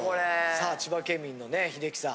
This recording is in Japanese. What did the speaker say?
さあ千葉県民のね英樹さん。